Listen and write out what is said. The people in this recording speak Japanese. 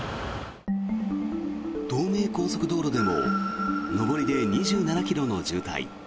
東名高速道路でも上りで２７ｋｍの渋滞。